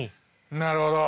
なるほど！